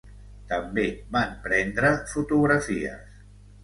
També van prendre fotografies.